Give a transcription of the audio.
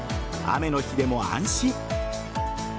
雨の日でも安心。